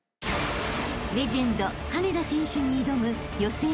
［レジェンド羽根田選手に挑む予選